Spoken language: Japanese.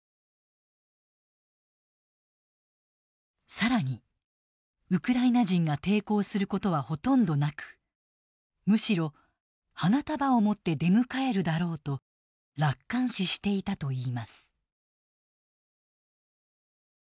更にウクライナ人が抵抗することはほとんどなくむしろ「花束を持って出迎えるだろう」と楽観視していたといいます。